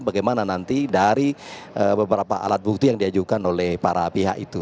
bagaimana nanti dari beberapa alat bukti yang diajukan oleh para pihak itu